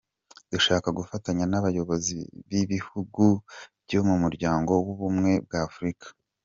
Dushaka gufatanya n’abayobozi b’ibihugu byo mu Muryango w’Ubumwe bwa Afurika.